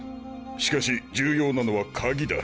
しかし重要なのは鍵だ。